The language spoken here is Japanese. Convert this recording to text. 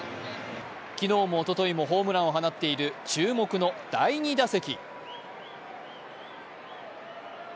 昨日もおとといもホームランを放っている注目の第２打席。